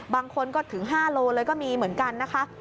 บางคนก็ถึง๕โลเลยก็มีเหมือนกันนะคะ